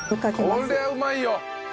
これはうまいよ！